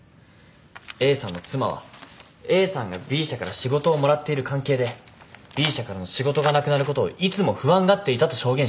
Ａさんの妻はＡさんがＢ社から仕事をもらっている関係でＢ社からの仕事がなくなることをいつも不安がっていたと証言しています。